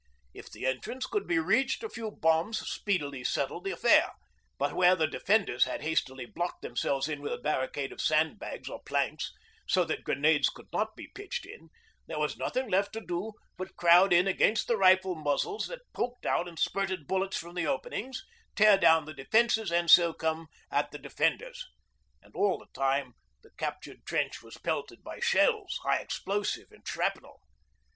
If the entrance could be reached, a few bombs speedily settled the affair; but where the defenders had hastily blocked themselves in with a barricade of sandbags or planks, so that grenades could not be pitched in, there was nothing left to do but crowd in against the rifle muzzles that poked out and spurted bullets from the openings, tear down the defences, and so come at the defenders. And all the time the captured trench was pelted by shells high explosive and shrapnel.